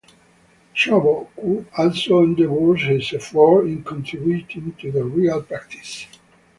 Xiaobo Qu also endeavors his efforts in contributing to the real practice.